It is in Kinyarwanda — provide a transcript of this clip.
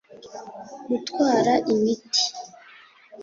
gutwara imiti